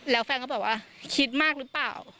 แล้วแฟนก็บอกว่าคิดมากหรือเปล่า